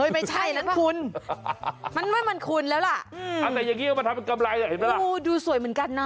ไม่ใช่นะคุ้นเหรอมันคุ้นแล้วล่ะอืมโอ้โหดูสวยเหมือนกันนะ